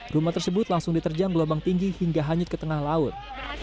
rumah tersebut langsung diterjang gelombang tinggi hingga hanyut ke tengah laut